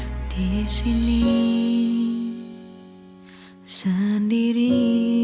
aku mau siapin sarapan buat rina ya